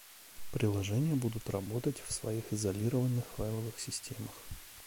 Приложения будут работать в своих изолированных файловых системах